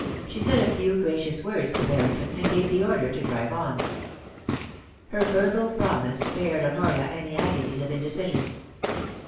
She said a few gracious words to Barrington, and gave the order to drive on. Her verbal promise spared Honoria any agonies of in decision.